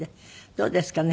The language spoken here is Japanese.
どうですかね。